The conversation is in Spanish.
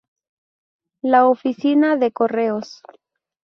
La Oficina de Correos.